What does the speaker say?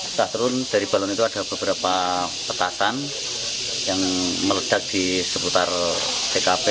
setelah turun dari balon itu ada beberapa petasan yang meledak di seputar tkp